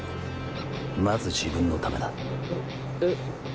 まず自分のためだ。え？